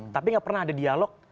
tapi gak pernah ada dialog